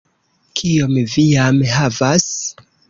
Kiom vi jam havas?